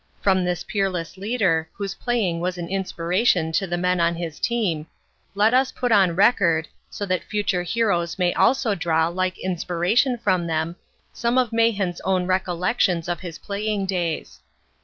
From this peerless leader, whose playing was an inspiration to the men on his team, let us put on record, so that future heroes may also draw like inspiration from them, some of Mahan's own recollections of his playing days.